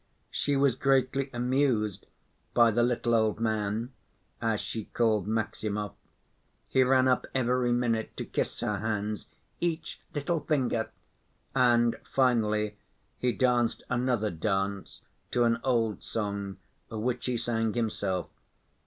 She was greatly amused by the "little old man," as she called Maximov. He ran up every minute to kiss her hands, "each little finger," and finally he danced another dance to an old song, which he sang himself.